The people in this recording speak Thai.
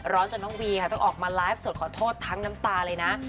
จนน้องวีค่ะต้องออกมาไลฟ์สดขอโทษทั้งน้ำตาเลยนะ